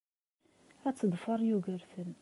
Ad teḍfer Yugurten.